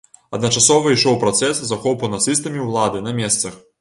Адначасова ішоў працэс захопу нацыстамі ўлады на месцах.